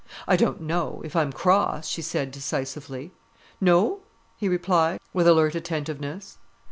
"I don't know, if I'm cross," she said decisively. "No?" he replied, with alert attentiveness.